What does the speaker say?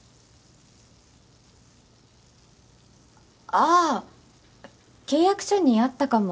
ああ契約書にあったかも。